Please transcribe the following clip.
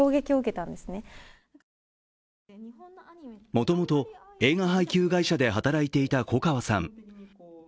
もともと映画配給会社で働いていた粉川さん。